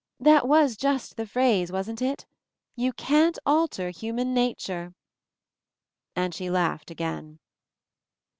That was just the phrase, wasn't it? — 'You can't alter human nature !'" And she laughed again.